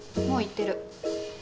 もう行ってる。